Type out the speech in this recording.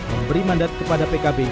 memberi mandat kepada pkb